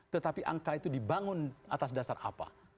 tetapi angka itu dibangun atas dasar apa